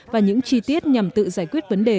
và những chi tiết nhằm tự giải quyết vấn đề